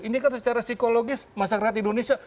ini kan secara psikologis masyarakat indonesia